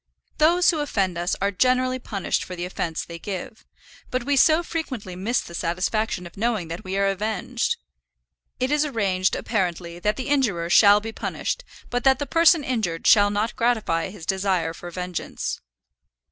Those who offend us are generally punished for the offence they give; but we so frequently miss the satisfaction of knowing that we are avenged! It is arranged, apparently, that the injurer shall be punished, but that the person injured shall not gratify his desire for vengeance.